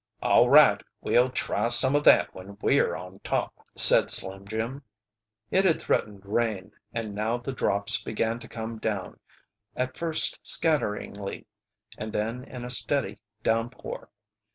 "All right, we'll try some o' that when we're on top," said Slim Jim. It had threatened rain, and now the drops began to come down, at first scatteringly, and then in a steady downpour.